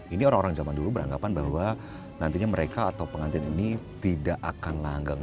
ini orang orang zaman dulu beranggapan bahwa nantinya mereka atau pengantin ini tidak akan langgeng